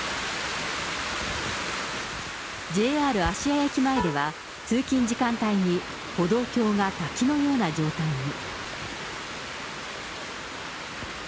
ＪＲ芦屋駅前では、通勤時間帯に歩道橋が滝のような状態に。